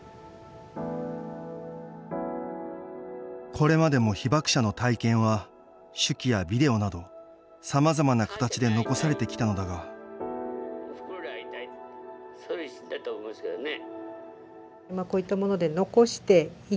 これまでも被爆者の「体験」は手記やビデオなどさまざまな形で残されてきたのだがいやそうですよね。